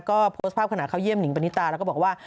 ก็โพสต์ภาพขณะเข้าเยี่ยมหิงปณิตาแล้วก็บอกว่า